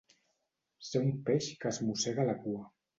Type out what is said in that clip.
Ser un peix que es mossega la cua.